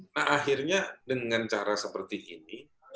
nah akhirnya dengan cara seperti ini